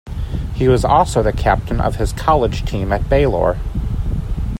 He was also the captain of his college team at Baylor.